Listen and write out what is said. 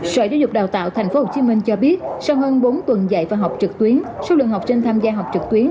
sở giáo dục đào tạo tp hcm cho biết sau hơn bốn tuần dạy và học trực tuyến số lượng học sinh tham gia học trực tuyến